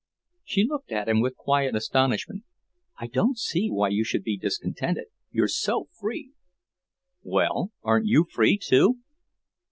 She looked at him with quiet astonishment. "I don't see why you should be discontented; you're so free." "Well, aren't you free, too?"